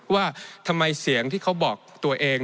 ว่าทำไมเสียงที่เขาบอกตัวเอง